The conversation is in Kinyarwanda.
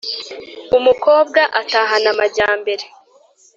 Umukobwa atahana amajyambere